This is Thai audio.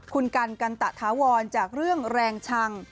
คุณกันกันตะถาวรจากเรื่องแรงชัง